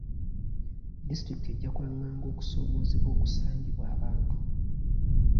Disitulikiti ejja kwanganga okusoomoozebwa okusangibwa abantu.